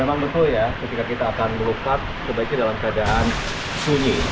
memang betul ya ketika kita akan melukat sebaiknya dalam keadaan sunyi